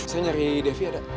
saya nyari devi ada